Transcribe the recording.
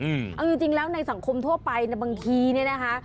เอาจริงแล้วในสังคมทั่วไปนะบางทีเนี่ยนะคะ